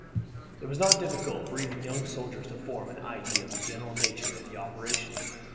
It was not difficult for even young soldiers to form an idea of the general nature of the operations.